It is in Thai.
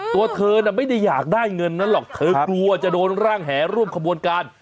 ตัวเธอน่ะไม่ได้อยากได้เงินนั้นหรอกเธอกลัวจะโดนร่างแห่ร่วมขบวนการ